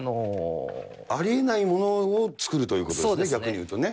ありえないものを作るということですね、逆に言うとね。